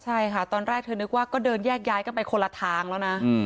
ใช่ค่ะตอนแรกเธอนึกว่าก็เดินแยกย้ายกันไปคนละทางแล้วนะ